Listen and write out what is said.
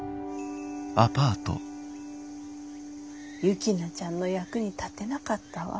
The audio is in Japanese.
雪菜ちゃんの役に立てなかったわ。